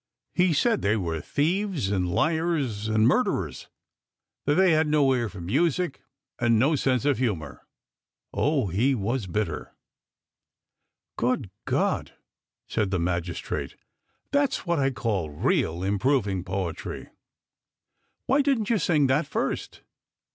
He said they were thieves and liars and murderers, that they had no ear for music and no sense of humour. Oh, he was bitter !" Good God !" said the magistrate, " that's what I call real improving poetry. Why THE POET'S ALLEGORY 217 didn't you sing that first